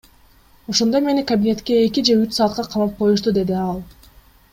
Ошондо мени кабинетке эки же үч саатка камап коюшту, — деди ал.